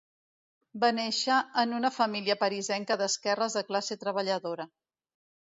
Va néixer en una família parisenca d'esquerres de classe treballadora.